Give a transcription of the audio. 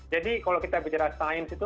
jadi kalau kita bicara sains itu